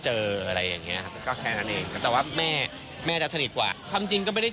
จึงก็เป็นโฮสต์ในการที่จะแบบว่าทาเขาเที่ยวอะไรอย่างนี้